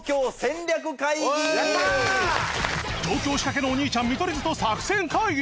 上京しかけのお兄ちゃん見取り図と作戦会議！